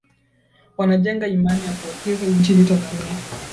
Wanajenga imani ya kuwekeza nchini Tanzania